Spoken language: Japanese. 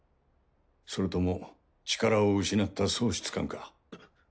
それとも力を失った喪失感か？